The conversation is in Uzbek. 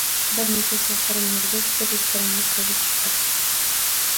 Bir necha chaqirim yurgach, bir restoranga koʻzi tushdi